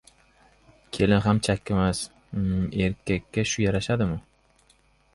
«Kelin ham chakkimas, xmmm...» Erkakka shu yarashadimi?